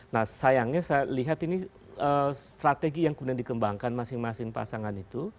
nah sayangnya saya lihat ini strategi yang kemudian dikembangkan masing masing pasangan itu